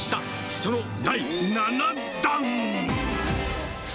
その第７弾。